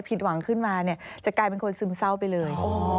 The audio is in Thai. ผิดหวังขึ้นมาเนี่ยจะกลายเป็นคนซึมเศร้าไปเลย